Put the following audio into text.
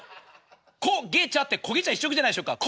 こげちゃって焦げ茶１色じゃないでしょうか。